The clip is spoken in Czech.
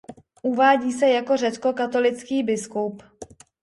Uvádí se jako řeckokatolický biskup.